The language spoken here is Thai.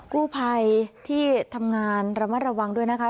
กู้ภัยที่ทำงานระมัดระวังด้วยนะคะ